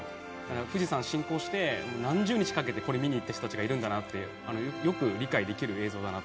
富士山を信仰して何十日かけてこれを見に行った人たちがいるんだなとよく理解できる映像だなと。